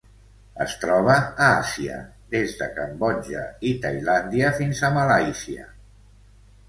Es troba a Àsia: des de Cambodja i Tailàndia fins a Malàisia.